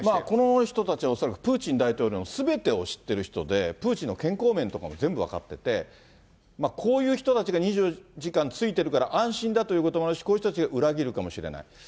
この人たちは恐らくプーチン大統領のすべてを知ってる人で、プーチンの健康面とかも全部分かってて、こういう人たちが２４時間ついてるから安心だということもあるし、こういう人たちが裏切るかもしれない。